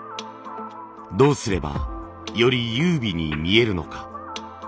どうすればより優美に見えるのか。